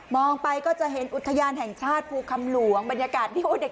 ไปก็จะเห็นอุทยานแห่งชาติภูคำหลวงบรรยากาศที่โอ้เด็ก